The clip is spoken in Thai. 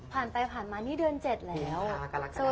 ผ่านไปผ่านมานี่เดือน๗แล้ว